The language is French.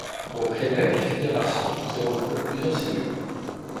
On crée même des fédérations qui regroupent plusieurs cellules.